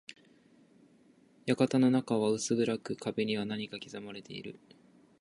館の中は薄暗く、壁には何かが刻まれている。